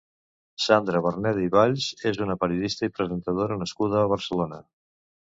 Sandra Barneda i Valls és una periodista i presentadora nascuda a Barcelona.